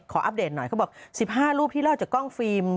อัปเดตหน่อยเขาบอก๑๕รูปที่รอดจากกล้องฟิล์ม